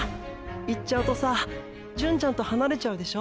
行っちゃうとさ純ちゃんと離れちゃうでしょ？